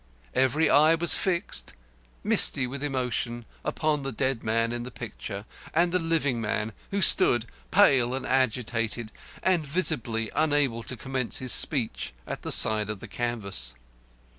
Every eye was fixed, misty with emotion, upon the dead man in the picture, and the living man who stood, pale and agitated, and visibly unable to commence his speech, at the side of the canvas.